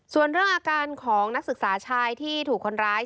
ส่วนเรื่องอาการของนักศึกษาชายที่ถูกคนร้าย